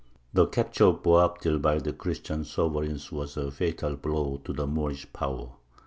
The capture of Boabdil by the Christian sovereigns was a fatal blow to the Moorish power.